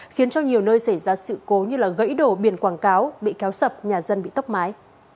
khiến cho nhiều nơi xảy ra sự cố như gãy đổ biển quảng cáo bị kéo sập nhà dân bị tốc mái